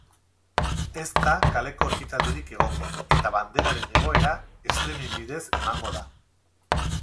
Ez da kaleko ekitaldirik egongo, eta banderaren igoera streaming bidez emango da.